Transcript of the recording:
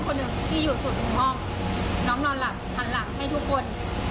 คนหนึ่งที่อยู่ส่วนหนึ่งห้องน้องนอนหลับหันหลังให้ทุกคน